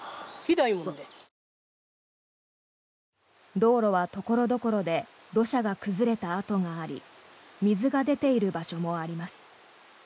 道路は所々で土砂が崩れた跡があり水が出ている場所もあります。